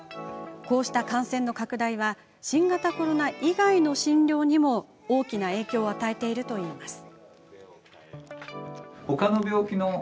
こうした感染の拡大は新型コロナ以外の診療にも大きな影響を与えているといいます。